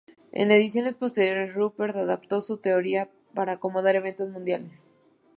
En ediciones posteriores, Rupert adaptó su teoría para acomodar eventos mundiales.